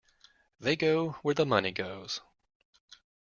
They go where the money goes.